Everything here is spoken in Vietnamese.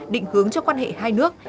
định hướng cho quan hệ hai nước